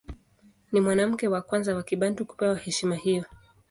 Ni mwanamke wa kwanza wa Kibantu kupewa heshima hiyo.